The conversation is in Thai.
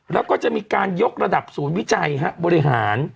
แล้วก็จะมีการยกระดับศูนย์วิจัยบริหาร